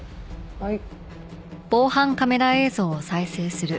はい。